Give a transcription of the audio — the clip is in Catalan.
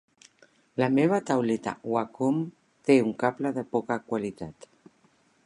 La meva tauleta Wacom té un cable de poca qualitat.